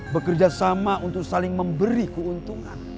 bekerja sama untuk saling memberi keuntungan